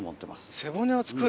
背骨を作る？